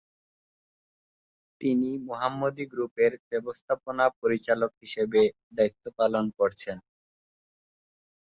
তিনি মোহাম্মদী গ্রুপের ব্যবস্থাপনা পরিচালক হিসেবে দ্বায়িত্ব পালন করছেন।